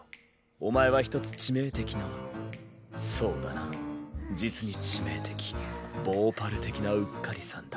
お前は１つ致命的なそうだな実に致命的致命的なうっかりさんだ。